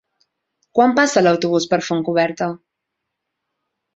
Quan passa l'autobús per Fontcoberta?